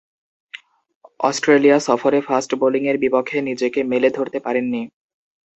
Australia সফরে fast বোলিংয়ের বিপক্ষে নিজেকে মেলে ধরতে পারেননি।